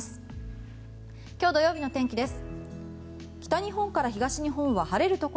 明日日曜日の天気です。